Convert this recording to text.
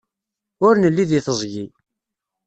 Ur nelli deg teẓgi.